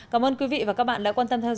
cảm ơn quý vị và các bạn đã quan tâm theo dõi